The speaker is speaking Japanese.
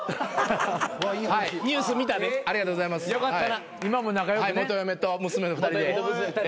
よかった。